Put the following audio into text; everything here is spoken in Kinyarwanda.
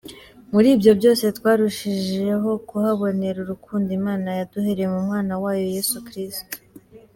Muri ibyo byose, twarushijeho kuhabonera urukundo Imana yaduhereye mu mwana wayo Yesu Kristo.